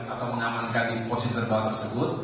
atau menamankan posisi terbawah tersebut